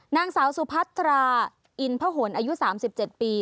นางสาวสุพัตราอินพหนอายุ๓๗ปี